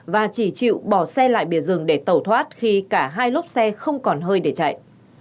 và chỉ chịu bỏ xe lại bìa rừng để tẩu thoát khi cả hai lốp xe không còn hơi để chạy